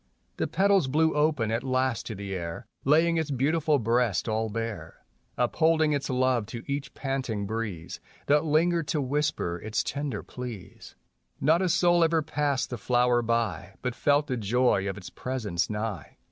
The petals blew open at last to the air Laying its beautiful breast all bare, Upholding its love to each panting breeze That lingered to whisper its tender pleas. Not a soul ever passed the flower by But felt the joy of its presence nigh.